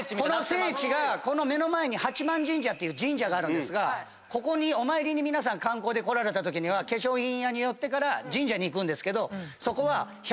この目の前に八幡神社っていう神社があるんですがここにお参りに皆さん観光で来られたときには化粧品屋に寄ってから神社に行くんですけどそこは。